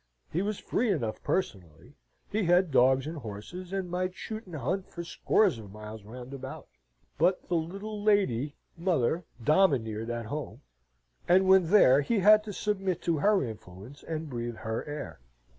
He was free enough personally. He had dogs and horses, and might shoot and hunt for scores of miles round about: but the little lady mother domineered at home, and when there he had to submit to her influence and breathe her air.